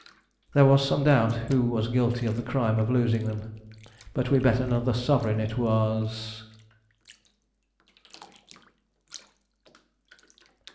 There was some doubt who was guilty of the crime of losing them, but we bet another sovereign it was